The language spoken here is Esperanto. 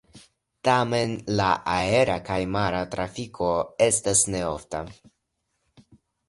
Tamen la aera kaj mara trafiko estas ne ofta.